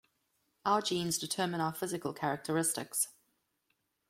Our genes determine our physical characteristics.